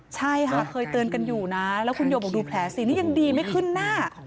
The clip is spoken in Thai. ใช่ค่ะเคยเตือนกันอยู่นะแล้วคุณโยบอกดูแผลสินี่ยังดีไม่ขึ้นหน้า